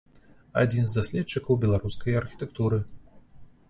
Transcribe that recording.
Адзін з даследчыкаў беларускай архітэктуры.